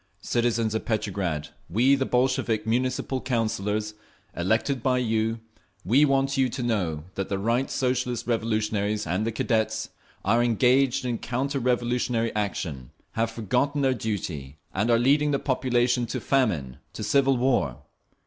Citizens of Petrograd, we, the Bolshevik Municipal Councillors elected by you—we want you to know that the Right Socialist Revolutionaries and the Cadets are engaged in counter revolutionary action, have forgotten their duty, and are leading the population to famine, to civil war.